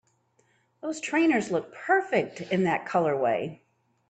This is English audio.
Those trainers look perfect in that colorway!